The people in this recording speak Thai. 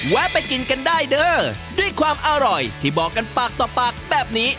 ไปกินกันได้เด้อด้วยความอร่อยที่บอกกันปากต่อปากแบบนี้